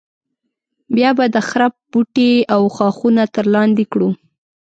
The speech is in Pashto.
بیا به د خرپ بوټي او ښاخونه تر لاندې کړو.